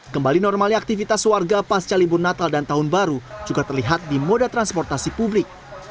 kembali normalnya aktivitas warga pasca libur natal dan tahun baru juga terlihat di moda transportasi publik